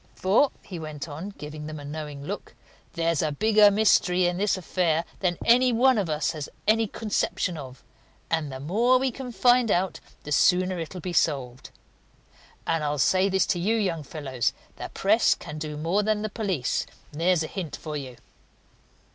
For," he went on, giving them a knowing look, "there's a bigger mystery in this affair than any one of us has any conception of, and the more we can find out the sooner it'll be solved. And I'll say this to you young fellows: the press can do more than the police. There's a hint for you!"